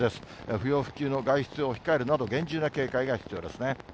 不要不急の外出を控えるなど、厳重な警戒が必要ですね。